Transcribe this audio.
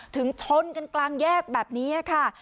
ถึงชนกันกลางแยกแบบนี้ค่ะ